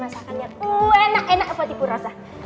masakannya enak enak apa tipu rosa